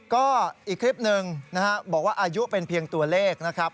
ก็อีกคลิปหนึ่งนะฮะบอกว่าอายุเป็นเพียงตัวเลขนะครับ